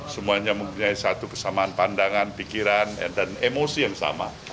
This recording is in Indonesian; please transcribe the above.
semuanya mempunyai satu kesamaan pandangan pikiran dan emosi yang sama